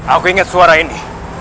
aku ingat suara ini